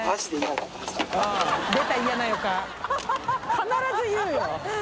必ず言うよ！